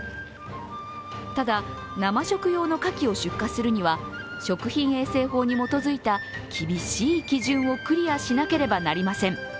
ただ、生食用のかきを出荷するのは食品衛生法に基づいた厳しい基準をクリアしなければなりません。